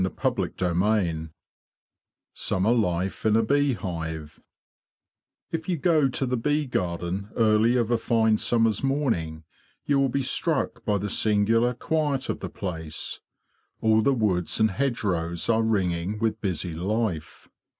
CHAPTER XXIII SUMMER LIFE IN A _ BEE HIVE [IF you go to the bee garden early of a fine summer's morning you will be struck by the singular quiet of the place. All the woods and hedgerows are ringing with busy life.